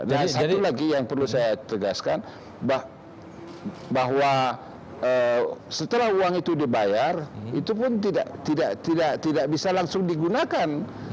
dan satu lagi yang perlu saya tegaskan bahwa setelah uang itu dibayar itu pun tidak bisa langsung digunakan